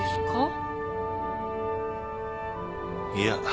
いや。